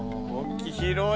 広い。